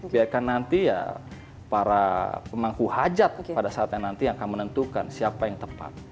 biarkan nanti para pemangku hajat pada saat yang nanti akan menentukan siapa yang tepat